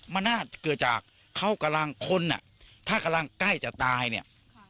มันน่าจะเกิดจากเขากำลังคนถ้ากำลังใกล้จะตาย